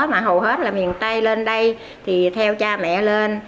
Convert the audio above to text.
mà hầu hết là miền tây lên đây thì theo cha mẹ lên